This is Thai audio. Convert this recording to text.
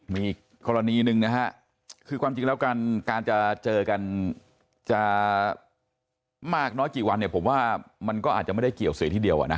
มีอีกกรณีหนึ่งนะฮะคือความจริงแล้วการจะเจอกันจะมากน้อยกี่วันเนี่ยผมว่ามันก็อาจจะไม่ได้เกี่ยวเสียทีเดียวอ่ะนะ